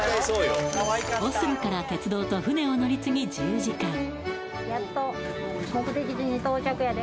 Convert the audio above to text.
オスロから鉄道と船を乗り継ぎ１０時間